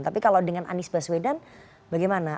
tapi kalau dengan anies baswedan bagaimana